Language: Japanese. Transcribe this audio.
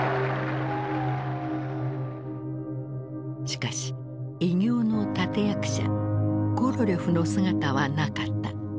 しかし偉業の立て役者コロリョフの姿はなかった。